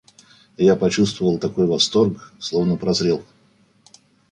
Я почувствовал такой восторг... словно прозрел!